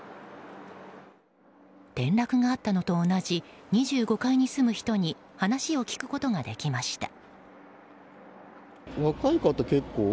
転落があったのと同じ２５階に住む人に話を聞くことができました。